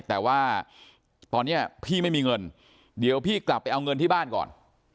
แต่ว่าตอนนี้พี่ไม่มีเงินเดี๋ยวพี่กลับไปเอาเงินที่บ้านก่อน